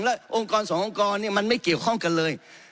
และองค์กรสององค์กรมันไม่เกี่ยวข้องกันเลย